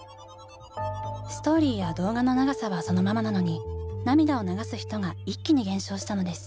ストーリーや動画の長さはそのままなのに涙を流す人が一気に減少したのです。